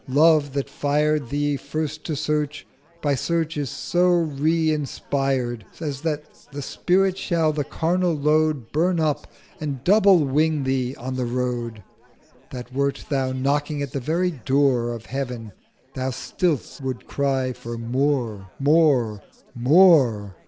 Love that fired 1180 Thee first to search, by Search so re inspired As that the Spirit shall the carnal Load Burn up, and double wing Thee on the Road; That wert thou knocking at the very Door Of Heav'n, thou still would'st cry for More, More, More!